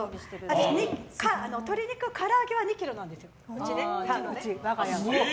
うちは鶏肉から揚げは２ｋｇなんですよ。